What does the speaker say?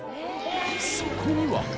そこには。